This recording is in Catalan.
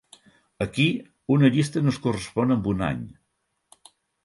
Aquí, una llista no es correspon amb un any.